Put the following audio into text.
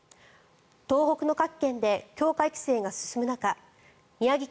東北の各県で強化育成が進む中宮城